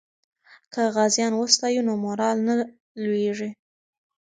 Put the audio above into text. که غازیان وستایو نو مورال نه لویږي.